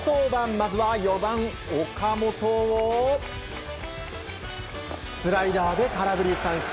まずは４番、岡本をスライダーで空振り三振。